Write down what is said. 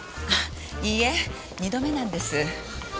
いいえ２度目なんです。